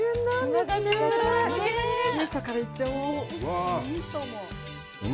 味噌からいっちゃおう！